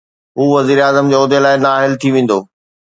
هو وزيراعظم جي عهدي لاءِ نااهل ٿي ويندو.